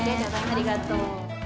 ありがとう。